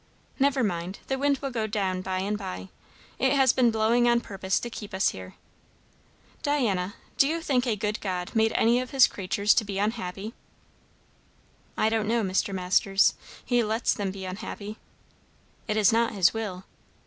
"Never mind; the wind will go down by and by. It has been blowing on purpose to keep us here. Diana, do you think a good God made any of his creatures to be unhappy?" "I don't know, Mr. Masters. He lets them be unhappy." "It is not his will."